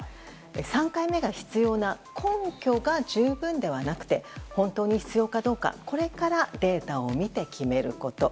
３回目が必要な根拠が十分ではなくて本当に必要かどうかこれからデータを見て決めること。